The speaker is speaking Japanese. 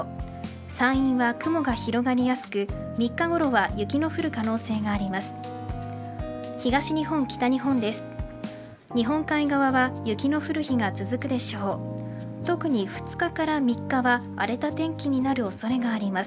山陰は雲が広がりやすく３日ごろは雪の降る可能性があります。